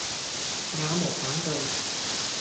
也無反對，